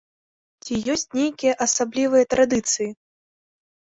Ці ёсць нейкія асаблівыя традыцыі?